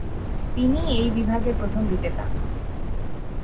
তিনিই এই বিভাগের প্রথম বিজেতা।